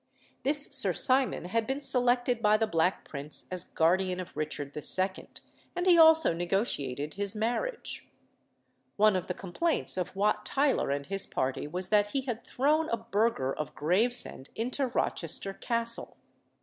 This Sir Simon had been selected by the Black Prince as guardian of Richard II., and he also negotiated his marriage. One of the complaints of Wat Tyler and his party was that he had thrown a burgher of Gravesend into Rochester Castle.